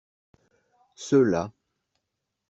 Ceux-là.